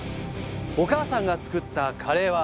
お母さんが作ったカレーは。